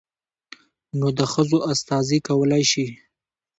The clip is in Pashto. نود ښځو استازي کولى شي.